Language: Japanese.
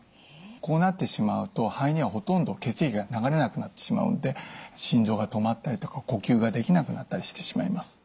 こうなってしまうと肺にはほとんど血液が流れなくなってしまうので心臓が止まったりとか呼吸ができなくなったりしてしまいます。